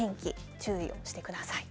注意をしてください。